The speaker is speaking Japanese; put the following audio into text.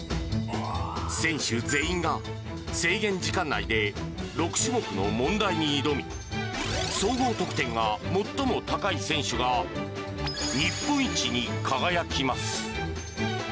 選手全員が制限時間内で６種目の問題に挑み、総合得点が最も高い選手が日本一に輝きます。